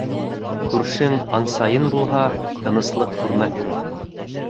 Күршең ансайын булһа, тыныслыҡ күрмәҫһең.